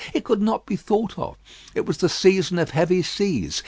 It could not be thought of. It was the season of heavy seas.